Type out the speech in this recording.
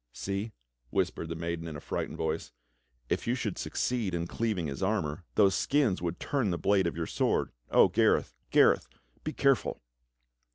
"See," whispered the maiden in a frightened voice, "if you should succeed in cleaving his armor, those skins would turn the blade of your sword. O Gareth, Gareth, be careful!"